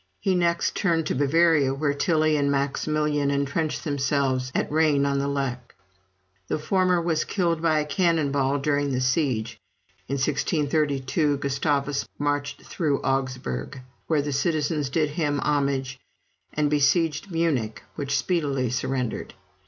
He next turned to Bavaria, where Tilly and Maximilian entrenched themselves at Rain on the Lech. The former was killed by a cannon ball during the siege, in 1632. Gustavus marched through Augsburg, where the citizens did him homage, and besieged Munich, which speedily surrendered.